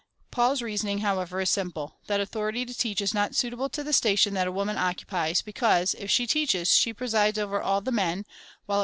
Paul's reason ing, however, is simple — that authority to teach is not suit able to the station that a woman occupies, because, if she teaches, she jDresides over all the men, while it becomes her to be under subjection.